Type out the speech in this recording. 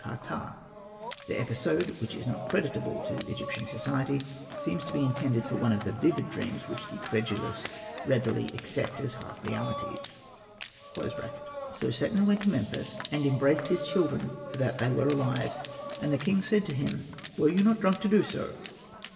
ka.ptah. The episode, which is not credit able to Egyptian society, seems to be in tended for one of the vivid dreams which the credulous readily accept as half realities.] So Setna went to Memphis, and embraced his children for that they were alive. And the king said to him, '' Were you not drunk to do so